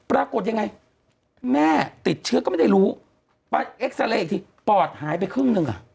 ปรากฏอย่างไรแม่ติดเชือก็ไม่ได้รู้เอ็กซาเลอีกทีปอดหายไปครึ่งหนึ่ง